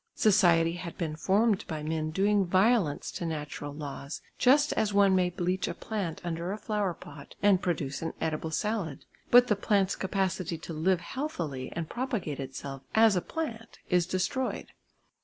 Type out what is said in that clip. Society had been formed by men doing violence to natural laws, just as one may bleach a plant under a flower pot and produce an edible salad, but the plant's capacity to live healthily and propagate itself as a plant is destroyed.